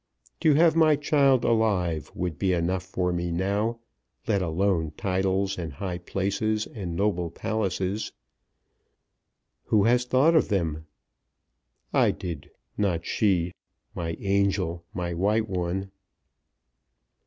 To have my child alive would be enough for me now, let alone titles, and high places, and noble palaces." "Who has thought of them?" "I did. Not she, my angel; my white one!"